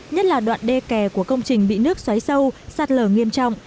nhất là đoạn đê kè của công trình bị nước xoáy sâu sạt lở nghiêm trọng